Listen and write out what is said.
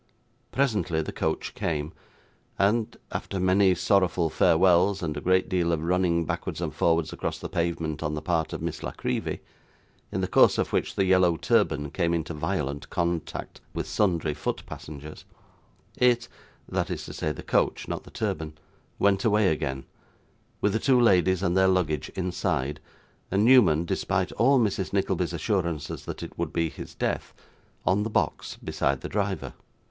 Presently, the coach came; and, after many sorrowful farewells, and a great deal of running backwards and forwards across the pavement on the part of Miss La Creevy, in the course of which the yellow turban came into violent contact with sundry foot passengers, it (that is to say the coach, not the turban) went away again, with the two ladies and their luggage inside; and Newman, despite all Mrs. Nickleby's assurances that it would be his death on the box beside the driver.